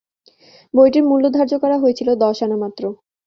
বইটির মূল্য ধার্য করা হয়েছিল দশ আনা মাত্র।